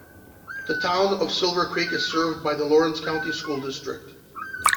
The Town of Silver Creek is served by the Lawrence County School District.